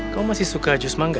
kamu masih suka jus mangga